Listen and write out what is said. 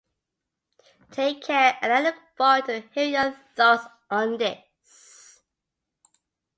Take care and I look forward to hearing your thoughts on this.